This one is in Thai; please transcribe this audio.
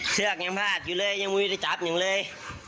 เชือกยังพลาดอยู่เลยยังมุยจะจับอย่างเลย